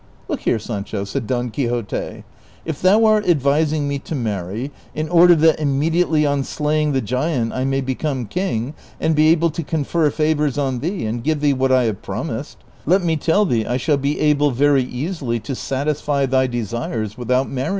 '•^" Look here, Sancho," said Don Quixote. " If thou art advising me to marry, in order that immediately on slaying the giant I may become king, and be able to confer favors on thee, and give thee what I have promised, let me tell thee I shall be able very easily to satisfy thy desires Avithout marrying ;' Prov.